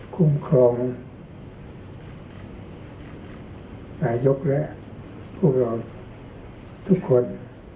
คุ้มครองนายกและพวกเราทุกคน